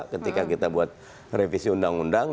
ketika kita buat revisi undang undang